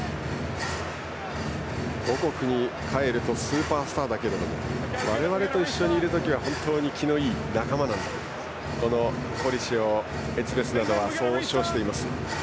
母国に帰るとスーパースターだけど我々と一緒にいる時は本当に気のいい仲間なんだとこのコリシをエツベスなどはそう称します。